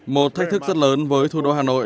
một thách thức rất lớn với thủ đô hà nội